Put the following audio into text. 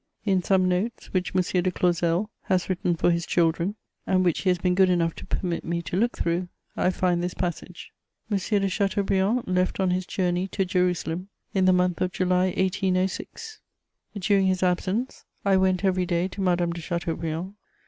In some notes which M. de Clausel has written for his children, and which he has been good enough to permit me to look through, I find this passage: "M. de Chateaubriand left on his journey to Jerusalem in the month of July 1806: during his absence I went every day to Madame de Chateaubriand.